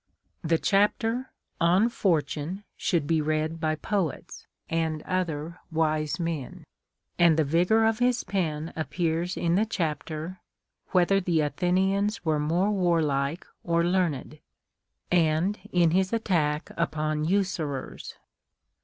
The chapter " On Fortune " should be read by poets, and other wise men ; and the vigor of his pen appears in the chapter " Whether the Athenians were more Warlike or Learned," and in his attack upon Usurers.